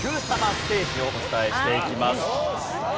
ステージをお伝えしていきます。